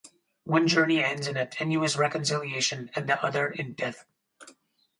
One journey ends in a tenuous reconciliation, and the other in death.